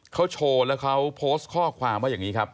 เขาโชว์แล้วเขาโพสต์ข้อความว่าอย่างนี้ครับ